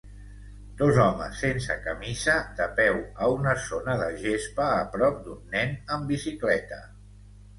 Dos homes sense camisa de peu a una zona de gespa a prop d"un nen en bicicleta.